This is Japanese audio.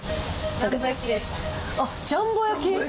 あっジャンボ焼き？